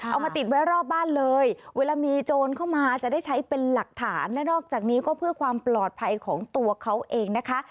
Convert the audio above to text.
เอามาติดไว้รอบบ้านเลยเวลามีโจรเข้ามาจะได้ใช้เป็นหลักฐานและนอกจากนี้ก็เพื่อความปลอดภัยของตัวเขาเองนะคะ